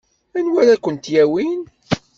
Anwa ara kent-yawin?